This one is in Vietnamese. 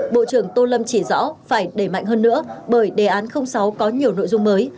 bộ trưởng tô lâm chỉ rõ phải đẩy mạnh hơn nữa bởi đề án sáu có nhiều nội dung mới